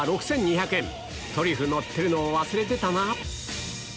トリュフのってるのを忘れてたな！